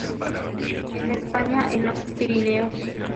En España en los Pirineos.